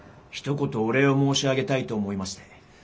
ひと言お礼を申し上げたいと思いまして。